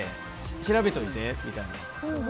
調べておいて、みたいな。